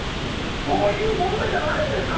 そういう問題じゃないでしょ！